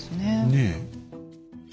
ねえ。